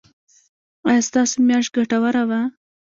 ایا ستاسو میاشت ګټوره وه؟